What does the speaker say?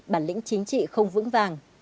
bản lĩnh chính trị không vững vàng